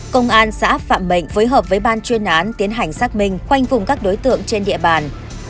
công an xã phạm mệnh phối hợp với ban chuyên án tiến hành xác minh khoanh vùng các đối tượng trên địa bàn